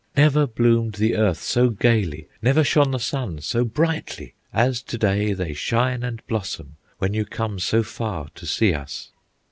"Never bloomed the earth so gayly, Never shone the sun so brightly, As to day they shine and blossom When you come so far to see us!